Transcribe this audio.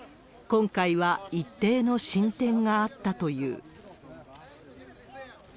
今回は一定の進展があったという。